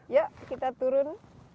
yuk kita turun